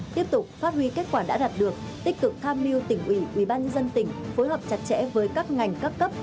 tiếp tục phát huy kết quả đã đạt được tích cực tham mưu tỉnh ủy ủy ban dân tỉnh phối hợp chặt chẽ với các ngành các cấp